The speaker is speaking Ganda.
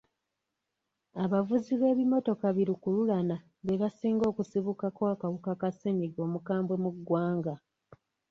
Abavuzi b'ebimmotoka bi lukululana be basinga okusibukako akawuka ka ssenyiga omukambwe mu ggwanga.